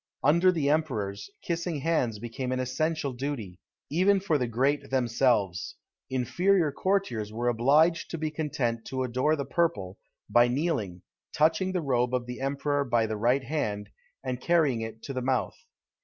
Under the emperors, kissing hands became an essential duty, even for the great themselves; inferior courtiers were obliged to be content to adore the purple, by kneeling, touching the robe of the emperor by the right hand, and carrying it to the mouth.